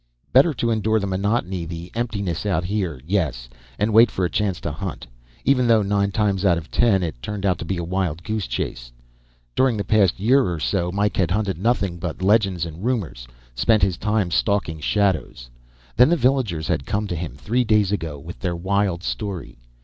Better to endure the monotony, the emptiness out here. Yes, and wait for a chance to hunt. Even though, nine times out of ten, it turned out to be a wild goose chase. During the past year or so Mike had hunted nothing but legends and rumors, spent his time stalking shadows. Then the villagers had come to him, three days ago, with their wild story.